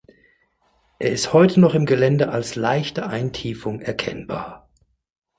Er ist heute noch im Gelände als leichte Eintiefung erkennbar.